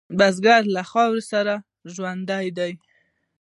بزګر له خاورو سره ژوندی دی